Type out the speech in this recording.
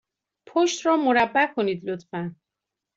پشت را مربع کنید، لطفا.